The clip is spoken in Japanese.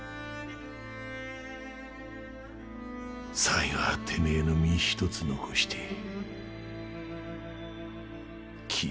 最後はてめえの身一つ残して消える。